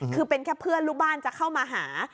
คือเป็นแค่เพื่อนลูกบ้านจะเข้ามาหา